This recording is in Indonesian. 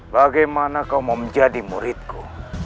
bagaimana kau mau menjadi muridku